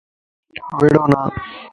وڙونا